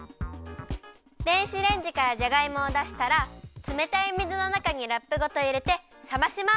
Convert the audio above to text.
電子レンジからじゃがいもをだしたらつめたい水のなかにラップごといれてさまします。